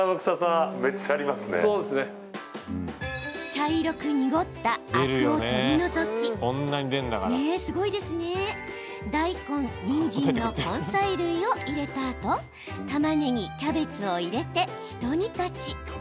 茶色く濁ったアクを取り除き大根、にんじんの根菜類を入れたあとたまねぎ、キャベツを入れてひと煮立ち。